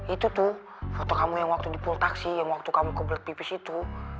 itu tuh foto kamu yang waktu dipul taksi yang waktu kamu kebelet pipis itu